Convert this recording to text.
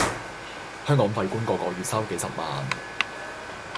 香港廢官個個月收幾十萬